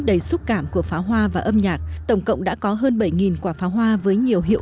đầy xúc cảm của pháo hoa và âm nhạc tổng cộng đã có hơn bảy quả pháo hoa với nhiều hiệu